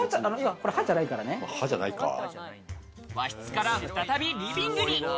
和室から再びリビングに。